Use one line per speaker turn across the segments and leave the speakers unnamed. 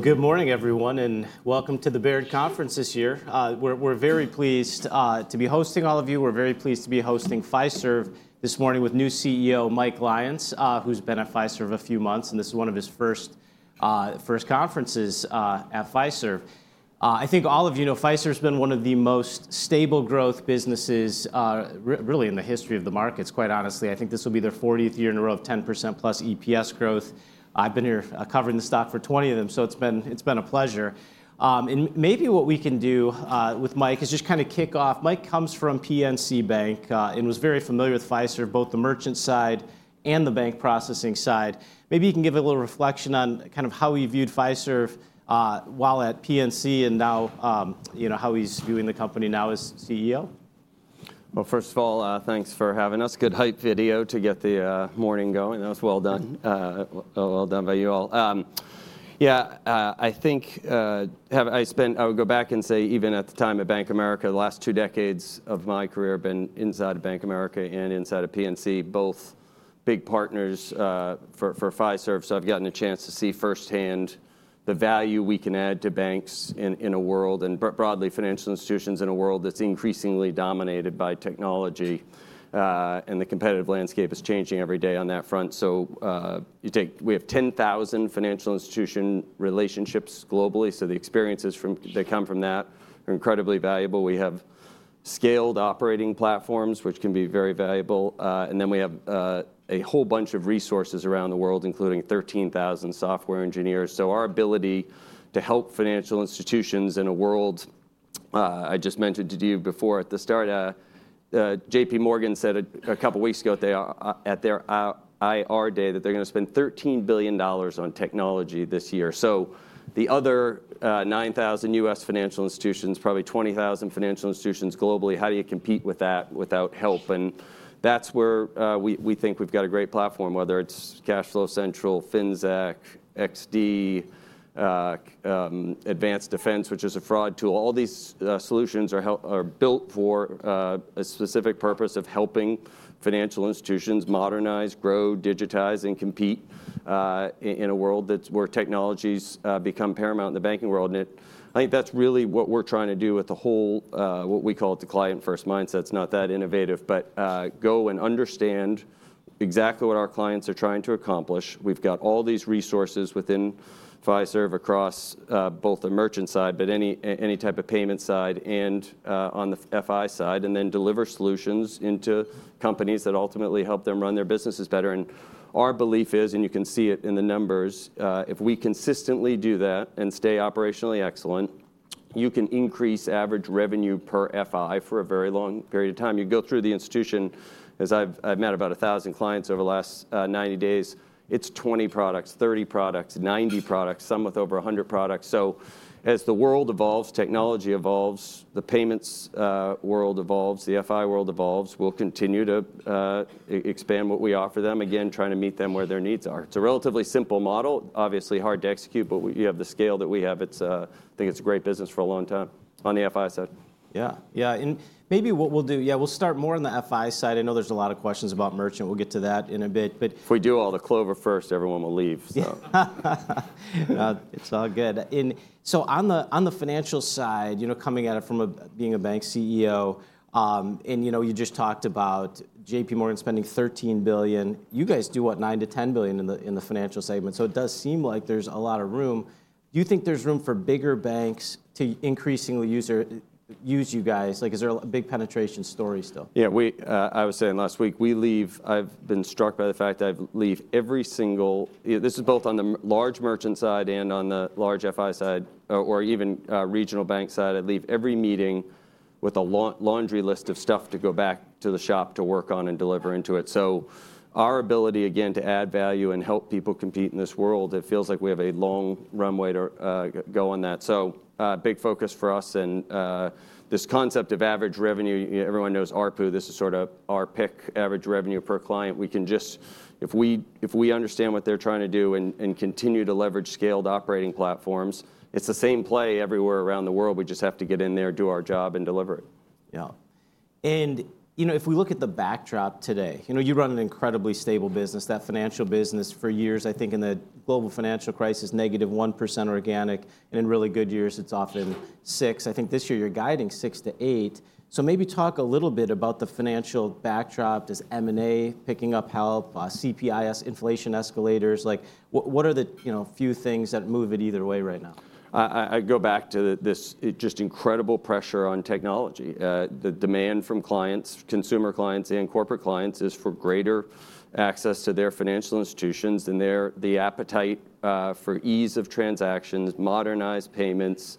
Good morning, everyone, and welcome to the Baird Conference this year. We're very pleased to be hosting all of you. We're very pleased to be hosting Fiserv this morning with new CEO Mike Lyons, who's been at Fiserv a few months, and this is one of his first conferences at Fiserv. I think all of you know Fiserv has been one of the most stable growth businesses, really, in the history of the markets, quite honestly. I think this will be their 40th year in a row of 10%+ EPS growth. I've been here covering the stock for 20 of them, so it's been a pleasure. Maybe what we can do with Mike is just kind of kick off. Mike comes from PNC Bank and was very familiar with Fiserv, both the merchant side and the bank processing side.
Maybe you can give a little reflection on kind of how he viewed Fiserv while at PNC and now how he's viewing the company now as CEO.
First of all, thanks for having us. Good hype video to get the morning going. That was well done, well done by you all. Yeah, I think I would go back and say, even at the time at Bank of America, the last two decades of my career have been inside of Bank of America and inside of PNC, both big partners for Fiserv. I have gotten a chance to see firsthand the value we can add to banks in a world, and broadly financial institutions in a world that's increasingly dominated by technology, and the competitive landscape is changing every day on that front. We have 10,000 financial institution relationships globally, so the experiences that come from that are incredibly valuable. We have scaled operating platforms, which can be very valuable. We have a whole bunch of resources around the world, including 13,000 software engineers. Our ability to help financial institutions in a world, I just mentioned to you before at the start, JPMorgan said a couple of weeks ago at their IR day that they're going to spend $13 billion on technology this year. The other 9,000 U.S. financial institutions, probably 20,000 financial institutions globally, how do you compete with that without help? That's where we think we've got a great platform, whether it's Cashflow Central, FinZack, XD, Advanced Defense, which is a fraud tool. All these solutions are built for a specific purpose of helping financial institutions modernize, grow, digitize, and compete in a world where technologies become paramount in the banking world. I think that's really what we're trying to do with the whole, what we call it, the client-first mindset. It's not that innovative, but go and understand exactly what our clients are trying to accomplish. We've got all these resources within Fiserv across both the merchant side, but any type of payment side, and on the FI side, and then deliver solutions into companies that ultimately help them run their businesses better. Our belief is, and you can see it in the numbers, if we consistently do that and stay operationally excellent, you can increase average revenue per FI for a very long period of time. You go through the institution, as I've met about 1,000 clients over the last 90 days: it's 20 products, 30 products, 90 products, some with over 100 products. As the world evolves, technology evolves, the payments world evolves, the FI world evolves, we'll continue to expand what we offer them, again, trying to meet them where their needs are. It's a relatively simple model, obviously hard to execute, but you have the scale that we have. I think it's a great business for a long time on the FI side.
Yeah, yeah. Maybe what we'll do, yeah, we'll start more on the FI side. I know there's a lot of questions about merchant. We'll get to that in a bit.
If we do all the Clover first, everyone will leave.
It's all good. On the financial side, coming at it from being a bank CEO, and you just talked about JPMorgan spending $13 billion, you guys do what, $9 billion to $10 billion in the financial segment, so it does seem like there's a lot of room. Do you think there's room for bigger banks to increasingly use you guys? Is there a big penetration story still?
Yeah, I was saying last week, I've been struck by the fact I leave every single this is both on the large merchant side and on the large FI side, or even regional bank side I leave every meeting with a laundry list of stuff to go back to the shop to work on and deliver into it. Our ability, again, to add value and help people compete in this world, it feels like we have a long runway to go on that. Big focus for us and this concept of average revenue—everyone knows ARPU, this is sort of our pick, average revenue per client. We can just, if we understand what they're trying to do and continue to leverage scaled operating platforms, it's the same play everywhere around the world. We just have to get in there, do our job, and deliver it.
Yeah. If we look at the backdrop today, you run an incredibly stable business, that financial business for years, I think in the global financial crisis, negative 1% organic, and in really good years, it's often 6%. I think this year you're guiding 6%-8%. Maybe talk a little bit about the financial backdrop, does M&A picking up help, CPIS, inflation escalators, what are the few things that move it either way right now?
I go back to this just incredible pressure on technology. The demand from clients, consumer clients and corporate clients, is for greater access to their financial institutions, and the appetite for ease of transactions, modernized payments,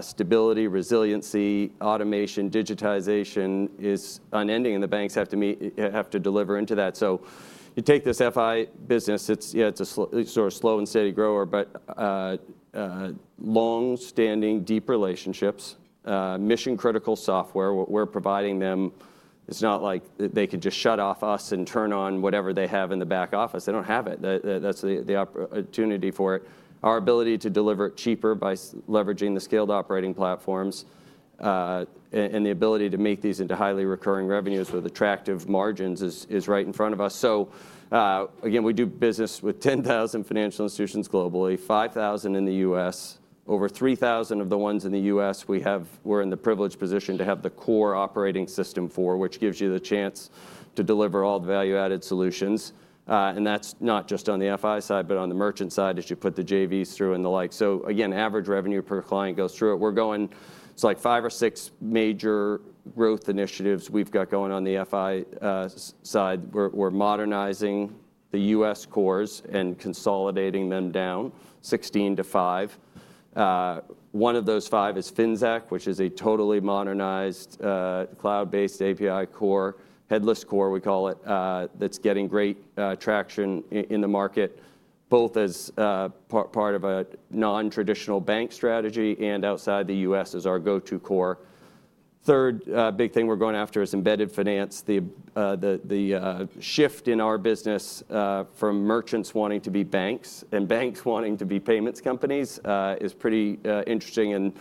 stability, resiliency, automation, digitization is unending, and the banks have to deliver into that. You take this FI business, yeah, it's a slow and steady grower, but long-standing deep relationships, mission-critical software, what we're providing them, it's not like they could just shut off us and turn on whatever they have in the back office. They don't have it. That's the opportunity for it. Our ability to deliver it cheaper by leveraging the scaled operating platforms and the ability to make these into highly recurring revenues with attractive margins is right in front of us. We do business with 10,000 financial institutions globally, 5,000 in the U.S. Over 3,000 of the ones in the U.S., we're in the privileged position to have the core operating system for, which gives you the chance to deliver all the value-added solutions. That's not just on the FI side, but on the merchant side, as you put the JVs through and the like. Again, average revenue per client goes through it. We're going, it's like five or six major growth initiatives we've got going on the FI side. We're modernizing the U.S. cores and consolidating them down, 16 to 5. One of those five is FinZack, which is a totally modernized cloud-based API core, headless core, we call it, that's getting great traction in the market, both as part of a non-traditional bank strategy and outside the U.S. as our go-to core. Third big thing we're going after is embedded finance. The shift in our business from merchants wanting to be banks and banks wanting to be payments companies is pretty interesting.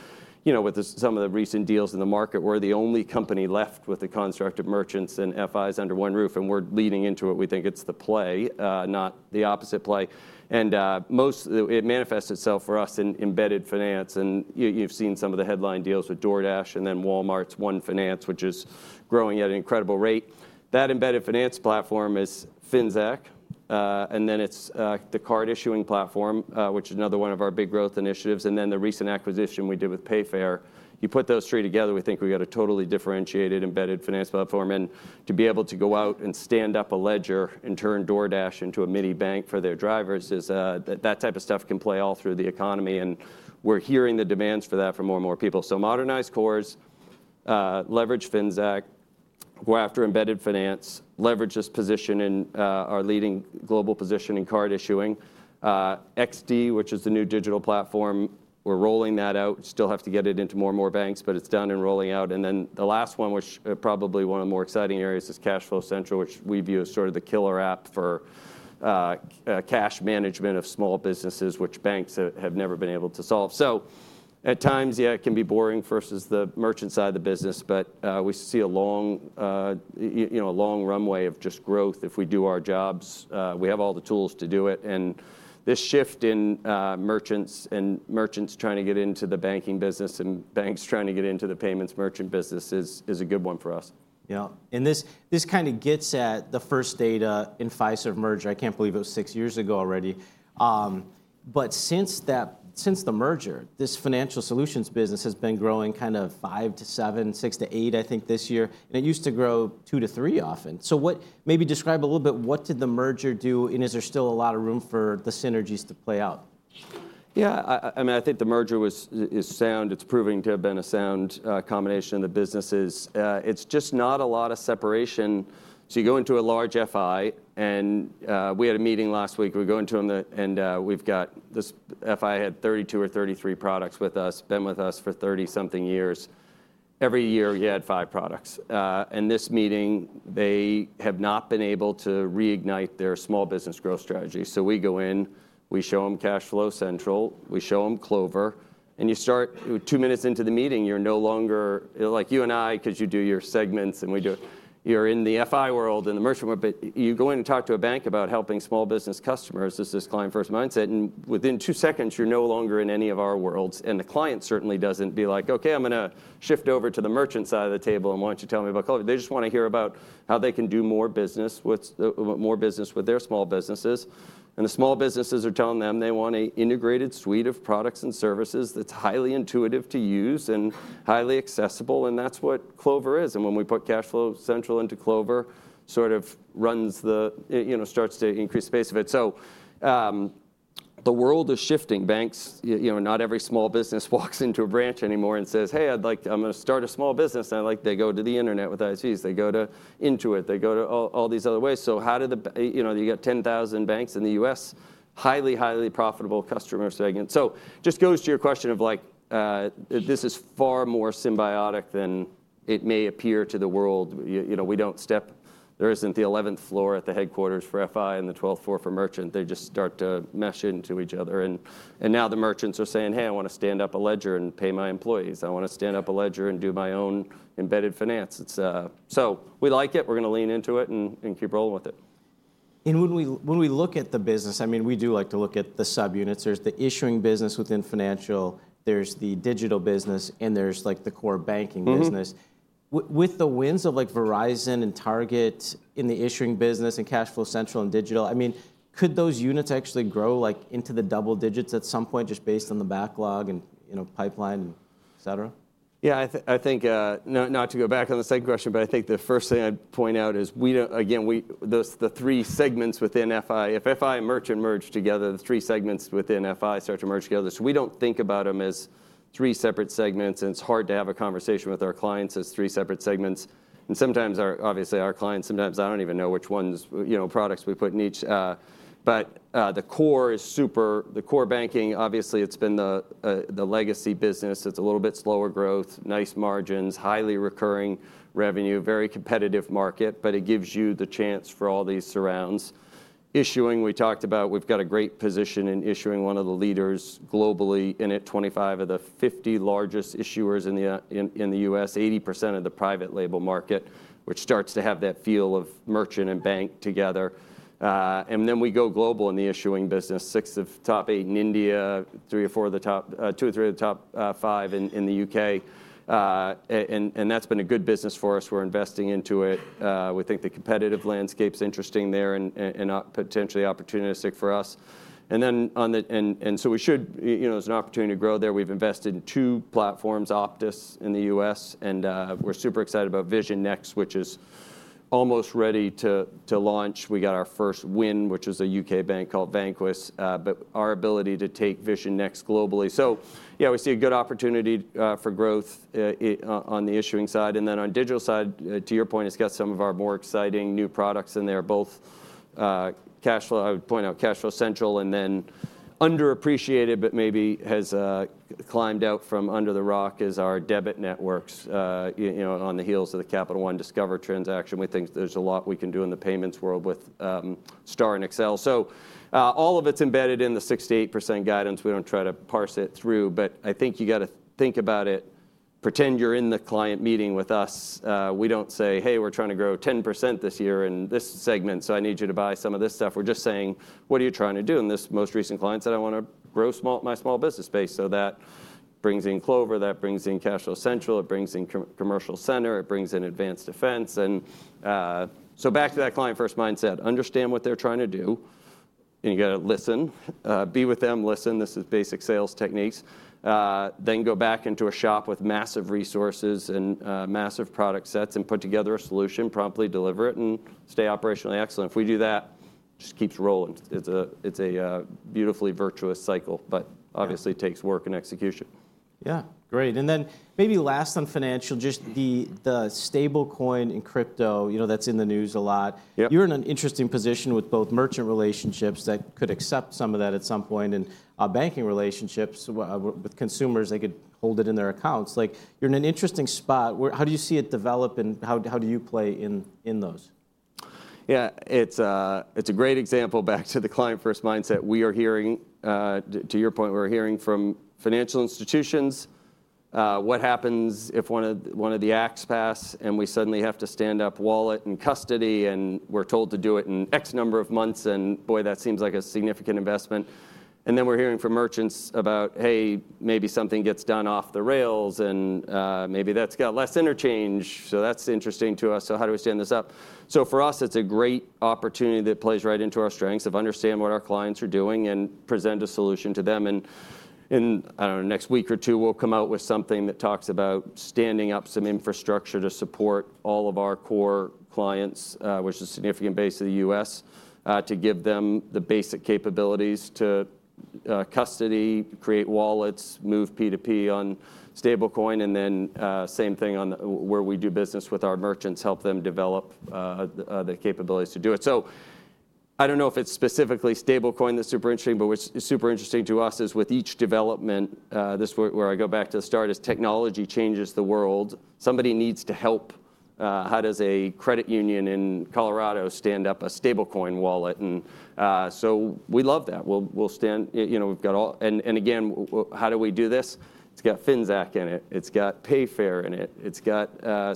With some of the recent deals in the market, we're the only company left with the construct of merchants and FIs under one roof, and we're leading into it. We think it's the play, not the opposite play. It manifests itself for us in embedded finance. You've seen some of the headline deals with DoorDash and then Walmart's OneFinance, which is growing at an incredible rate. That embedded finance platform is FinZack, and then it's the card issuing platform, which is another one of our big growth initiatives, and then the recent acquisition we did with Payfair. You put those three together, we think we've got a totally differentiated embedded finance platform. To be able to go out and stand up a ledger and turn DoorDash into a mini bank for their drivers, that type of stuff can play all through the economy. We're hearing the demands for that from more and more people. Modernize cores, leverage FinZack, go after embedded finance, leverage this position in our leading global position in card issuing. XD, which is the new digital platform, we're rolling that out. Still have to get it into more and more banks, but it's done and rolling out. The last one, which is probably one of the more exciting areas, is Cashflow Central, which we view as sort of the killer app for cash management of small businesses, which banks have never been able to solve. At times, yeah, it can be boring versus the merchant side of the business, but we see a long runway of just growth if we do our jobs. We have all the tools to do it. This shift in merchants and merchants trying to get into the banking business and banks trying to get into the payments merchant business is a good one for us.
Yeah. And this kind of gets at the First Data and Fiserv merger. I can't believe it was six years ago already. Since the merger, this Financial Solutions business has been growing kind of 5-7, 6-8, I think, this year. It used to grow 2-3 often. Maybe describe a little bit, what did the merger do, and is there still a lot of room for the synergies to play out?
Yeah. I mean, I think the merger is sound. It's proving to have been a sound combination of the businesses. It's just not a lot of separation. You go into a large FI, and we had a meeting last week. We go into them, and we've got this FI had 32 or 33 products with us, been with us for 30-something years. Every year, we had five products. In this meeting, they have not been able to reignite their small business growth strategy. You go in, we show them Cashflow Central, we show them Clover, and you start two minutes into the meeting, you're no longer like you and I, because you do your segments and we do it. You're in the FI world and the merchant world, but you go in and talk to a bank about helping small business customers. This is client-first mindset. Within two seconds, you're no longer in any of our worlds. The client certainly does not be like, "Okay, I'm going to shift over to the merchant side of the table and why don't you tell me about Clover." They just want to hear about how they can do more business with their small businesses. The small businesses are telling them they want an integrated suite of products and services that is highly intuitive to use and highly accessible. That is what Clover is. When we put Cashflow Central into Clover, it sort of starts to increase the base of it. The world is shifting. Banks, not every small business walks into a branch anymore and says, "Hey, I'm going to start a small business." I like that they go to the internet with ISVs. They go to Intuit. They go to all these other ways. How do you get 10,000 banks in the U.S.? Highly, highly profitable customer segment. It just goes to your question of this is far more symbiotic than it may appear to the world. There is not the 11th floor at the headquarters for FI and the 12th floor for merchant. They just start to mesh into each other. Now the merchants are saying, "Hey, I want to stand up a ledger and pay my employees. I want to stand up a ledger and do my own embedded finance." We like it. We are going to lean into it and keep rolling with it.
When we look at the business, I mean, we do like to look at the subunits. There's the issuing business within financial, there's the digital business, and there's the core banking business. With the wins of Verizon and Target in the issuing business and Cashflow Central and digital, I mean, could those units actually grow into the double digits at some point just based on the backlog and pipeline, et cetera?
Yeah, I think not to go back on the second question, but I think the first thing I'd point out is, again, the three segments within FI, if FI and merchant merge together, the three segments within FI start to merge together. We don't think about them as three separate segments, and it's hard to have a conversation with our clients as three separate segments. Sometimes, obviously, our clients, sometimes I don't even know which products we put in each. The core is super. The core banking, obviously, it's been the legacy business. It's a little bit slower growth, nice margins, highly recurring revenue, very competitive market, but it gives you the chance for all these surrounds. Issuing, we talked about, we've got a great position in issuing, one of the leaders globally in it, 25 of the 50 largest issuers in the U.S., 80% of the private label market, which starts to have that feel of merchant and bank together. We go global in the issuing business, six of top eight in India, two or three of the top five in the U.K. That's been a good business for us. We're investing into it. We think the competitive landscape's interesting there and potentially opportunistic for us. There is an opportunity to grow there. We've invested in two platforms, Optus in the U.S., and we're super excited about Vision Next, which is almost ready to launch. We got our first win, which was a U.K. bank called Vanquis, but our ability to take Vision Next globally. Yeah, we see a good opportunity for growth on the issuing side. And then on digital side, to your point, it's got some of our more exciting new products in there, both, I would point out, Cashflow Central and then underappreciated, but maybe has climbed out from under the rock is our debit networks on the heels of the Capital One Discover transaction. We think there's a lot we can do in the payments world with Star and Excel. All of it's embedded in the 68% guidance. We don't try to parse it through, but I think you got to think about it. Pretend you're in the client meeting with us. We do not say, "Hey, we are trying to grow 10% this year in this segment, so I need you to buy some of this stuff." We are just saying, "What are you trying to do?" This most recent client said, "I want to grow my small business base." That brings in Clover, that brings in Cashflow Central, it brings in Commercial Center, it brings in Advanced Defense. Back to that client-first mindset, understand what they are trying to do, and you have to listen, be with them, listen. This is basic sales techniques. Go back into a shop with massive resources and massive product sets and put together a solution, promptly deliver it, and stay operationally excellent. If we do that, it just keeps rolling. It is a beautifully virtuous cycle, but obviously takes work and execution.
Yeah. Great. Maybe last on financial, just the stablecoin and crypto that's in the news a lot. You're in an interesting position with both merchant relationships that could accept some of that at some point and banking relationships with consumers that could hold it in their accounts. You're in an interesting spot. How do you see it develop and how do you play in those?
Yeah. It's a great example, back to the client-first mindset. To your point, we're hearing from financial institutions, what happens if one of the acts pass and we suddenly have to stand up wallet and custody and we're told to do it in X number of months and boy, that seems like a significant investment. We're hearing from merchants about, "Hey, maybe something gets done off the rails and maybe that's got less interchange." That is interesting to us. How do we stand this up? For us, it's a great opportunity that plays right into our strengths of understanding what our clients are doing and present a solution to them. In, I don't know, next week or two, we'll come out with something that talks about standing up some infrastructure to support all of our core clients, which is a significant base of the U.S., to give them the basic capabilities to custody, create wallets, move P2P on stablecoin, and then same thing on where we do business with our merchants, help them develop the capabilities to do it. I don't know if it's specifically stablecoin that's super interesting, but what's super interesting to us is with each development, this is where I go back to the start, as technology changes the world, somebody needs to help. How does a credit union in Colorado stand up a stablecoin wallet? We love that. We'll stand, we've got all, and again, how do we do this? It's got FinZack in it. It's got Payfair in it.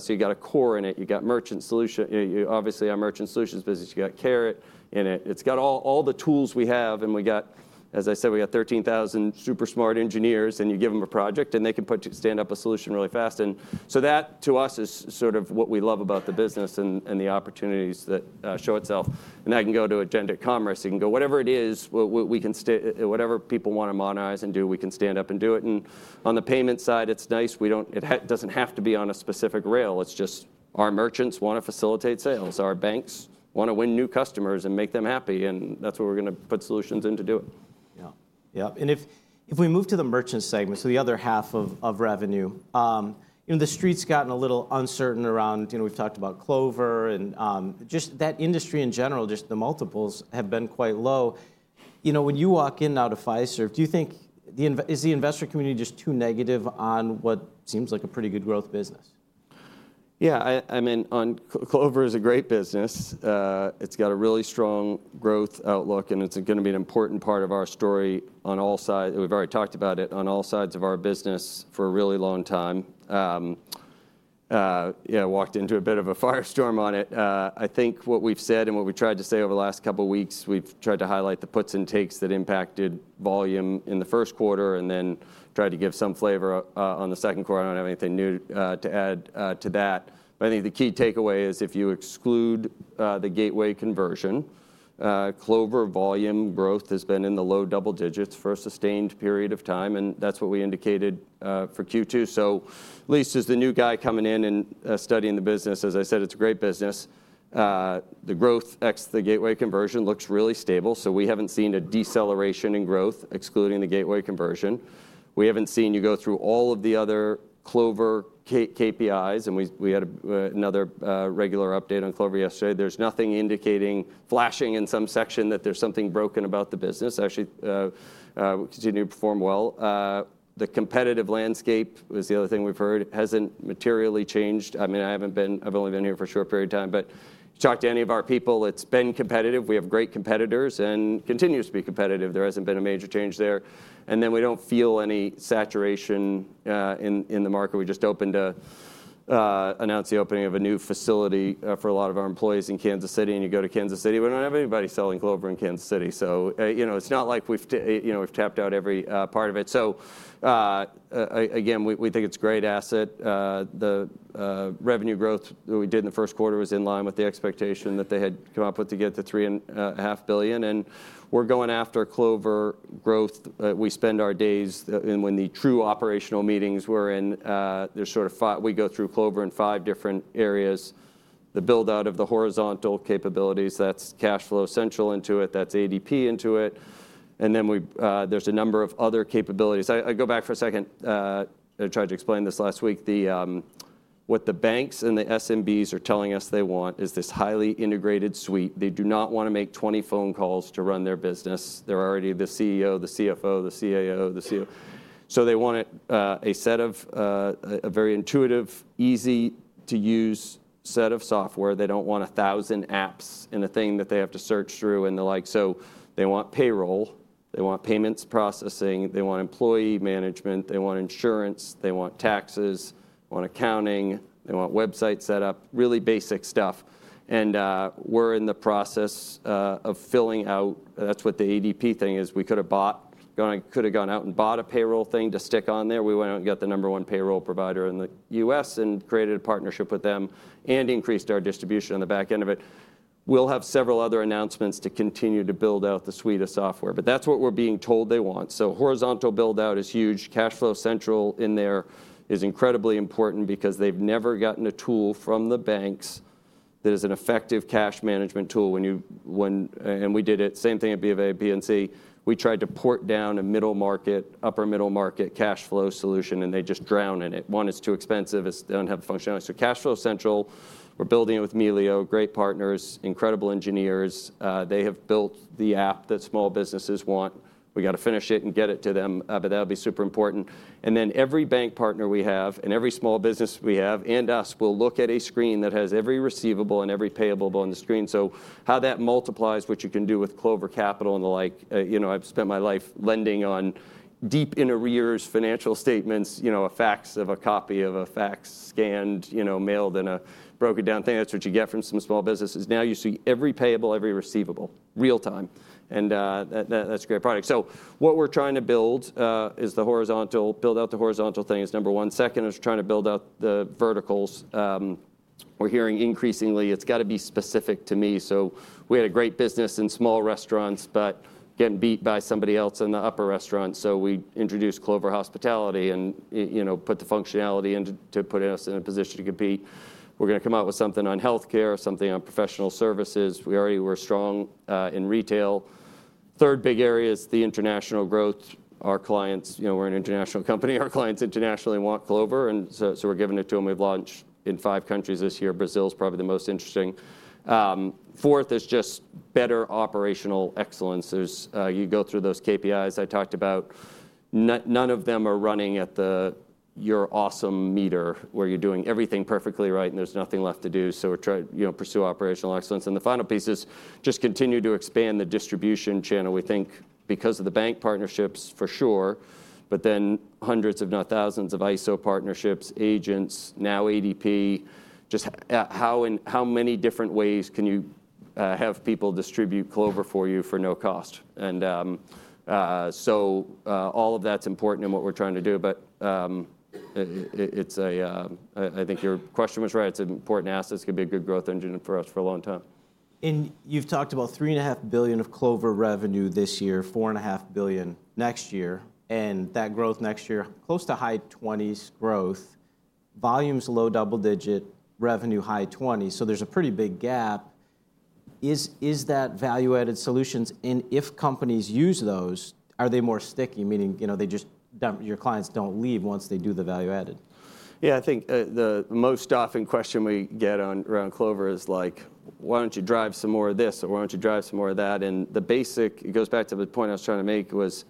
You've got a core in it. You've got Merchant Solutions. Obviously, our Merchant Solutions business, you've got Carrot in it. It's got all the tools we have. We've got, as I said, 13,000 super smart engineers, and you give them a project and they can stand up a solution really fast. That to us is sort of what we love about the business and the opportunities that show itself. That can go to Agenda Commerce. It can go whatever it is, whatever people want to monetize and do, we can stand up and do it. On the payment side, it's nice. It doesn't have to be on a specific rail. Our merchants want to facilitate sales. Our banks want to win new customers and make them happy. That's what we're going to put solutions in to do it.
Yeah. Yeah. If we move to the merchant segment, the other half of revenue, the street's gotten a little uncertain around, we've talked about Clover and just that industry in general, just the multiples have been quite low. When you walk in and out of Fiserv, do you think is the investor community just too negative on what seems like a pretty good growth business?
Yeah. I mean, Clover is a great business. It's got a really strong growth outlook, and it's going to be an important part of our story on all sides. We've already talked about it on all sides of our business for a really long time. Yeah, walked into a bit of a firestorm on it. I think what we've said and what we tried to say over the last couple of weeks, we've tried to highlight the puts and takes that impacted volume in the first quarter and then tried to give some flavor on the second quarter. I don't have anything new to add to that. I think the key takeaway is if you exclude the gateway conversion, Clover volume growth has been in the low double digits for a sustained period of time. That's what we indicated for Q2. At least as the new guy coming in and studying the business, as I said, it's a great business. The growth, ex the gateway conversion, looks really stable. We haven't seen a deceleration in growth, excluding the gateway conversion. We haven't seen you go through all of the other Clover KPIs. We had another regular update on Clover yesterday. There's nothing indicating, flashing in some section that there's something broken about the business. Actually, we continue to perform well. The competitive landscape is the other thing we've heard hasn't materially changed. I mean, I haven't been, I've only been here for a short period of time, but you talk to any of our people, it's been competitive. We have great competitors and it continues to be competitive. There hasn't been a major change there. We don't feel any saturation in the market. We just opened to announce the opening of a new facility for a lot of our employees in Kansas City. You go to Kansas City, we do not have anybody selling Clover in Kansas City. It is not like we have tapped out every part of it. Again, we think it is a great asset. The revenue growth that we did in the first quarter was in line with the expectation that they had come up with to get to $3.5 billion. We are going after Clover growth. We spend our days when the true operational meetings we are in, there are sort of five, we go through Clover in five different areas. The build-out of the horizontal capabilities, that is Cashflow Central into it, that is ADP into it. Then there is a number of other capabilities. I go back for a second. I tried to explain this last week. What the banks and the SMBs are telling us they want is this highly integrated suite. They do not want to make 20 phone calls to run their business. They're already the CEO, the CFO, the CIO, the CEO. They want a very intuitive, easy-to-use set of software. They do not want 1,000 apps and a thing that they have to search through and the like. They want payroll. They want payments processing. They want employee management. They want insurance. They want taxes. They want accounting. They want website setup, really basic stuff. We are in the process of filling out. That is what the ADP thing is. We could have gone out and bought a payroll thing to stick on there. We went out and got the number one payroll provider in the U.S. and created a partnership with them and increased our distribution on the back end of it. We'll have several other announcements to continue to build out the suite of software, but that's what we're being told they want. Horizontal build-out is huge. Cashflow Central in there is incredibly important because they've never gotten a tool from the banks that is an effective cash management tool. We did it, same thing at B of A, BNC. We tried to port down a middle market, upper middle market cash flow solution, and they just drown in it. One is too expensive. It doesn't have the functionality. Cashflow Central, we're building it with Melio, great partners, incredible engineers. They have built the app that small businesses want. We got to finish it and get it to them, but that'll be super important. Every bank partner we have and every small business we have and us will look at a screen that has every receivable and every payable on the screen. How that multiplies, what you can do with Clover Capital and the like. I've spent my life lending on deep interviews, financial statements, a fax of a copy of a fax scanned, mailed in a broken down thing. That's what you get from some small businesses. Now you see every payable, every receivable, real time. That's a great product. What we're trying to build is the horizontal, build out the horizontal thing is number one. Second, we're trying to build out the verticals. We're hearing increasingly it's got to be specific to me. We had a great business in small restaurants, but getting beat by somebody else in the upper restaurants. We introduced Clover Hospitality and put the functionality in to put us in a position to compete. We're going to come out with something on healthcare, something on professional services. We already were strong in retail. Third big area is the international growth. Our clients, we're an international company. Our clients internationally want Clover, and so we're giving it to them. We've launched in five countries this year. Brazil is probably the most interesting. Fourth is just better operational excellence. You go through those KPIs I talked about. None of them are running at your awesome meter where you're doing everything perfectly right and there's nothing left to do. We're trying to pursue operational excellence. The final piece is just continue to expand the distribution channel. We think because of the bank partnerships, for sure, but then hundreds, if not thousands of ISO partnerships, agents, now ADP, just how many different ways can you have people distribute Clover for you for no cost? All of that is important in what we're trying to do, but I think your question was right. It's an important asset. It's going to be a good growth engine for us for a long time.
You've talked about $3.5 billion of Clover revenue this year, $4.5 billion next year. That growth next year, close to high 20% growth, volumes low double digit, revenue high 20%. There's a pretty big gap. Is that value-added solutions? If companies use those, are they more sticky? Meaning your clients do not leave once they do the value-added.
Yeah. I think the most often question we get around Clover is like, "Why don't you drive some more of this?" or "Why don't you drive some more of that?" It goes back to the point I was trying to make, which was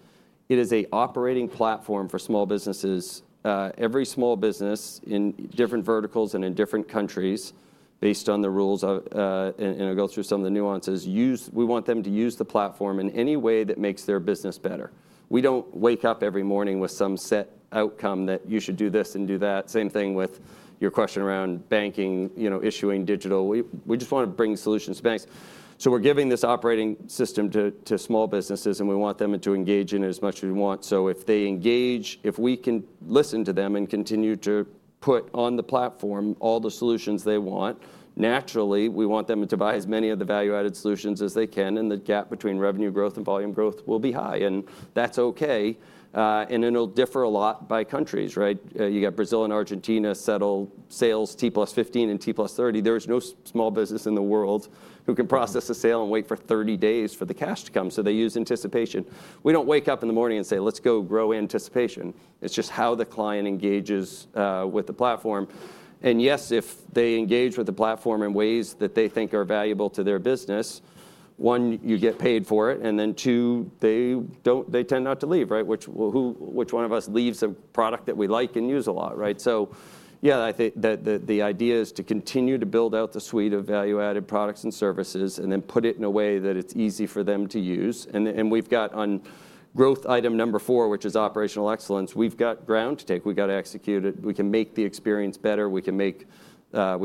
it is an operating platform for small businesses. Every small business in different verticals and in different countries, based on the rules and going through some of the nuances, we want them to use the platform in any way that makes their business better. We do not wake up every morning with some set outcome that you should do this and do that. Same thing with your question around banking, issuing, digital. We just want to bring solutions to banks. We are giving this operating system to small businesses, and we want them to engage in it as much as we want. If they engage, if we can listen to them and continue to put on the platform all the solutions they want, naturally, we want them to buy as many of the value-added solutions as they can, and the gap between revenue growth and volume growth will be high. That is okay. It will differ a lot by countries. You have Brazil and Argentina settle sales T plus 15 and T plus 30. There is no small business in the world who can process a sale and wait for 30 days for the cash to come. They use anticipation. We do not wake up in the morning and say, "Let's go grow anticipation." It is just how the client engages with the platform. Yes, if they engage with the platform in ways that they think are valuable to their business, one, you get paid for it, and then two, they tend not to leave, which one of us leaves a product that we like and use a lot. I think the idea is to continue to build out the suite of value-added products and services and then put it in a way that it's easy for them to use. We have on growth item number four, which is operational excellence, ground to take. We have to execute it. We can make the experience better. We can make the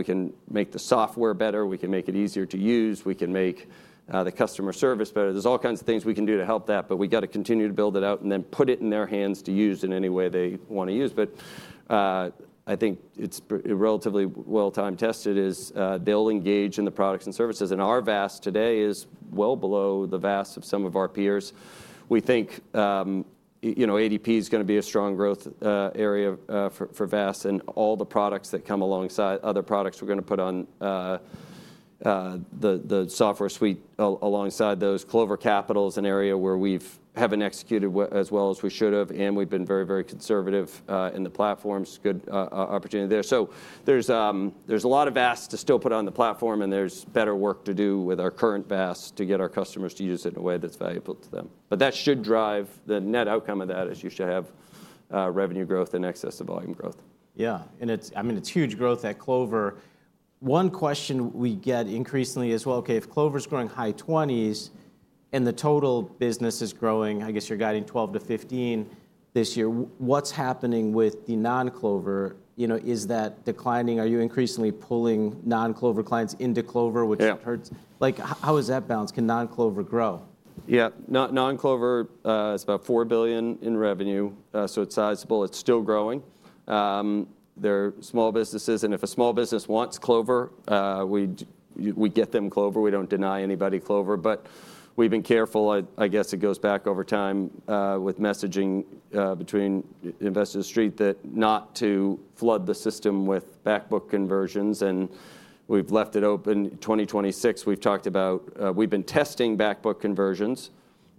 software better. We can make it easier to use. We can make the customer service better. are all kinds of things we can do to help that, but we have to continue to build it out and then put it in their hands to use in any way they want to use. I think it is relatively well time-tested that they will engage in the products and services. Our VAS today is well below the VAS of some of our peers. We think ADP is going to be a strong growth area for VAS and all the products that come alongside. Other products we are going to put on the software suite alongside those. Clover Capital is an area where we have not executed as well as we should have, and we have been very, very conservative in the platforms. Good opportunity there. There's a lot of VAS to still put on the platform, and there's better work to do with our current VAS to get our customers to use it in a way that's valuable to them. That should drive the net outcome of that as you should have revenue growth and excessive volume growth.
Yeah. I mean, it's huge growth at Clover. One question we get increasingly is, okay, if Clover is growing high 20s and the total business is growing, I guess you're guiding 12-15% this year, what's happening with the non-Clover? Is that declining? Are you increasingly pulling non-Clover clients into Clover, which hurts? How is that balanced? Can non-Clover grow?
Yeah. Non-Clover is about $4 billion in revenue. So it's sizable. It's still growing. They're small businesses. And if a small business wants Clover, we get them Clover. We don't deny anybody Clover. But we've been careful, I guess it goes back over time with messaging between investors' street that not to flood the system with backbook conversions. And we've left it open. 2026, we've talked about we've been testing backbook conversions,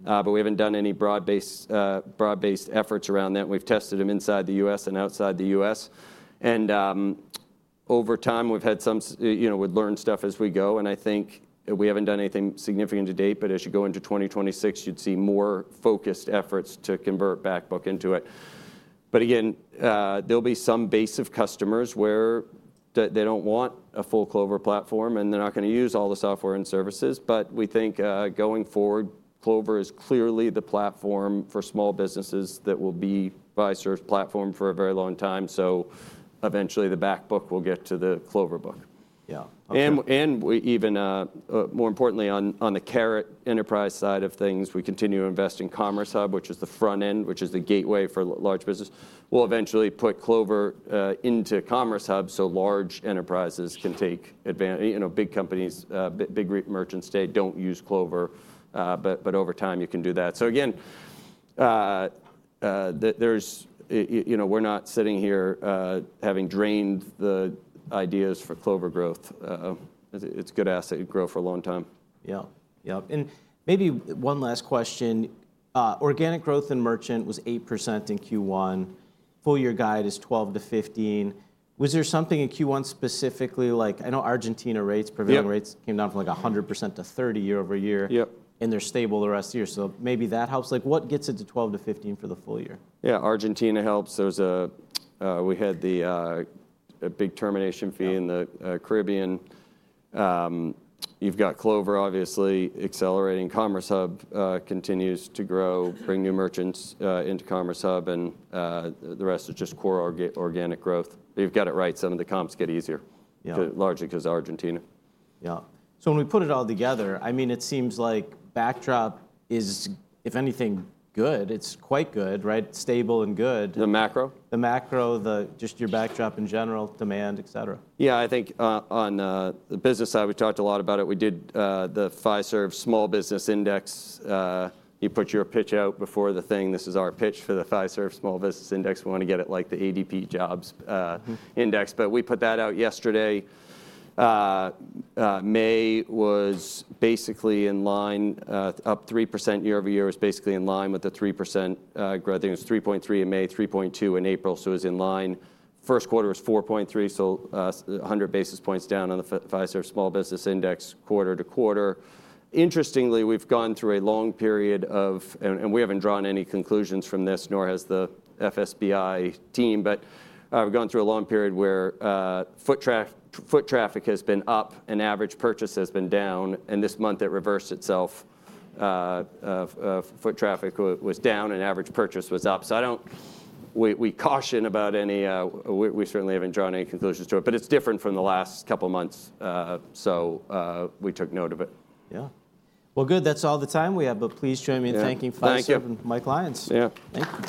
but we haven't done any broad-based efforts around that. We've tested them inside the U.S. and outside the U.S. And over time, we've had some, we've learned stuff as we go. And I think we haven't done anything significant to date, but as you go into 2026, you'd see more focused efforts to convert backbook into it. Again, there'll be some base of customers where they don't want a full Clover platform and they're not going to use all the software and services. We think going forward, Clover is clearly the platform for small businesses that will be Fiserv's platform for a very long time. Eventually the back book will get to the Clover book.
Yeah.
Even more importantly, on the enterprise side of things, we continue to invest in Commerce Hub, which is the front end, which is the gateway for large business. We will eventually put Clover into Commerce Hub so large enterprises can take advantage. Big companies, big merchants today do not use Clover, but over time you can do that. Again, we are not sitting here having drained the ideas for Clover growth. It is a good asset to grow for a long time.
Yeah. Yeah. And maybe one last question. Organic growth in merchant was 8% in Q1. Full year guide is 12-15%. Was there something in Q1 specifically? I know Argentina rates, prevailing rates came down from like 100% to 30% year over year, and they're stable the rest of the year. So maybe that helps. What gets it to 12-15% for the full year?
Yeah. Argentina helps. We had the big termination fee in the Caribbean. You've got Clover, obviously, accelerating. Commerce Hub continues to grow, bring new merchants into Commerce Hub, and the rest is just core organic growth. You've got it right. Some of the comps get easier, largely because of Argentina.
Yeah. So when we put it all together, I mean, it seems like backdrop is, if anything, good. It's quite good, stable and good.
The macro?
The macro, just your backdrop in general, demand, etc.
Yeah. I think on the business side, we talked a lot about it. We did the Fiserv Small Business Index. You put your pitch out before the thing. This is our pitch for the Fiserv Small Business Index. We want to get it like the ADP Jobs Index. But we put that out yesterday. May was basically in line. Up 3% year over year is basically in line with the 3% growth. It was 3.3% in May, 3.2% in April. So it was in line. First quarter was 4.3%, so 100 basis points down on the Fiserv Small Business Index quarter to quarter. Interestingly, we've gone through a long period of, and we haven't drawn any conclusions from this, nor has the FSBI team, but we've gone through a long period where foot traffic has been up and average purchase has been down. And this month it reversed itself. Foot traffic was down and average purchase was up. We caution about any, we certainly haven't drawn any conclusions to it, but it's different from the last couple of months. We took note of it.
Yeah. Good. That's all the time we have, but please join me in thanking Fiserv and Mike Lyons.
Yeah.
Thank you.